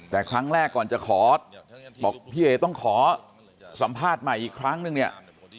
แต่ครั้งแรกก่อนจะขอบอกพี่เอ๋ต้องขอสัมภาษณ์ใหม่อีกครั้งนึงเนี่ย